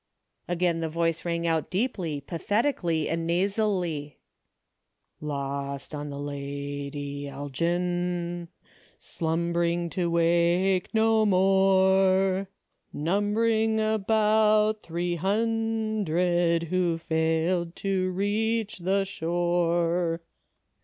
Again the voice rang out deeply, pathet ically and nasally, " Lost on the Lady Elgin, Slumbering to wake no more, Numbering about three hundred, — Who failed to reach the shore.